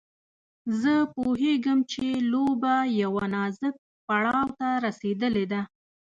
زه پوهېږم چې لوبه يوه نازک پړاو ته رسېدلې ده.